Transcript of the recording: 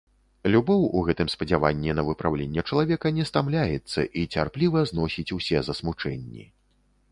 Любоў у гэтым спадзяванні на выпраўленне чалавека не стамляецца і цярпліва зносіць усе засмучэнні.